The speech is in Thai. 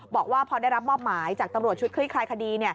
บอกว่าพอได้รับมอบหมายจากตำรวจชุดคลี่คลายคดี